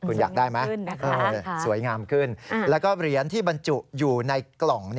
คุณอยากได้ไหมสวยงามขึ้นแล้วก็เหรียญที่บรรจุอยู่ในกล่อง